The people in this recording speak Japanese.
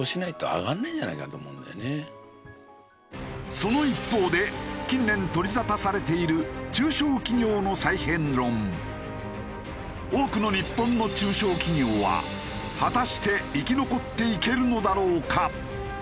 その一方で近年取り沙汰されている多くの日本の中小企業は果たして生き残っていけるのだろうか？